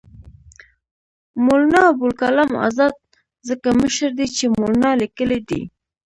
مولنا ابوالکلام آزاد ځکه مشر دی چې مولنا لیکلی دی.